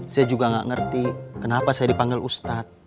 saya juga gak ngerti kenapa saya dipanggil ustadz